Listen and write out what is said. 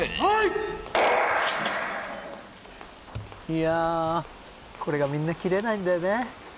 ・いやこれがみんな切れないんだよね